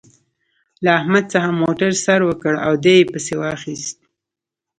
له احمد څخه موتر سر وکړ او دې پسې واخيست.